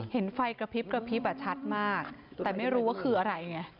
เห็นไฟกระพริบกระพริบอ่ะชัดมากแต่ไม่รู้ว่าคืออะไรไง